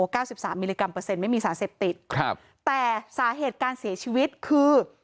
เก้าสิบสามมิลลิกรัมเปอร์เซ็นไม่มีสารเสพติดครับแต่สาเหตุการเสียชีวิตคือ